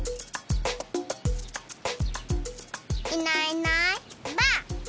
いないいないばあっ！